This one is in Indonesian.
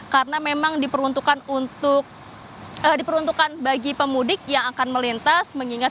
karena memang diperuntukkan bagi pemudik yang akan melintas